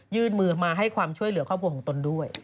ยื่นมือมาให้ความช่วยเหลือครอบครัวของตนด้วย